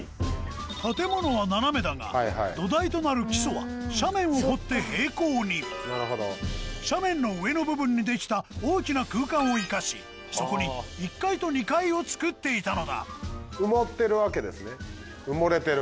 建物は斜めだが土台となる基礎は斜面を掘って平行に斜面の上の部分に出来た大きな空間をいかしそこに１階と２階を作っていたのだ埋もれてる。